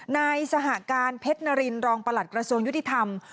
นายสหการเพชรนารินรองประหลัดกระทรวงยุติธรรม